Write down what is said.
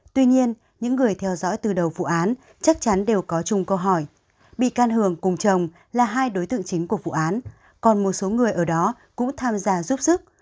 tuy nhiên những người theo dõi từ đầu vụ án chắc chắn đều có chung câu hỏi bị can hường cùng chồng là hai đối tượng chính của vụ án còn một số người ở đó cũng tham gia giúp sức